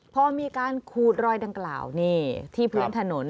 พอมีการขูดรอยดังกล่าวนี่ที่พื้นถนน